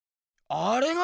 あれが！